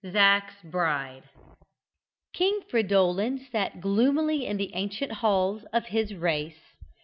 ZAC'S BRIDE. King Fridolin sat gloomily in the ancient halls of his race.